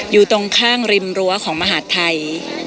อยู่ตรงข้ามริมรั้วของมหาดไทย